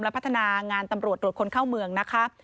และพัฒนางานตำรวจตรวจคนเข้าเมืองนะคะ